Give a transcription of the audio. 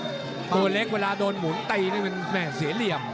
นังพลเล็กเวลาโดนหมุนไตมันแม่เสียเหลี่ยม